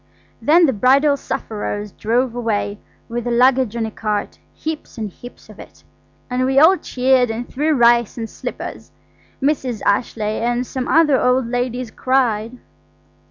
Then the Bridal Sufferers drove away, with the luggage on a cart–heaps and heaps of it, and we all cheered and threw rice and slippers. Mrs. Ashleigh and some other old ladies cried.